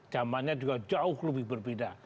zamannya juga jauh lebih berbeda